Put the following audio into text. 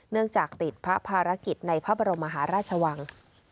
จากติดพระภารกิจในพระบรมมหาราชวัง